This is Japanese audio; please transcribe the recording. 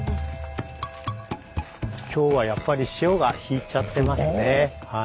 今日はやっぱり潮が引いちゃってますね。